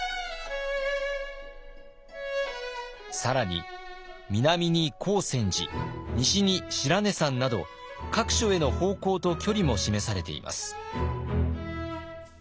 更に南に光泉寺西に白根山など各所への方向と距離も示されています。